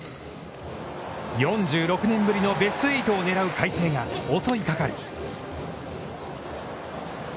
４６年ぶりのベスト８を狙う海星が襲いかかる。